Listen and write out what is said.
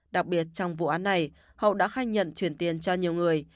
đặc biệt trong vụ án này hậu đã khai nhận chuyển tiền cho nhiều người